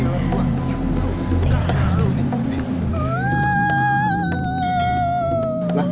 masih ada mas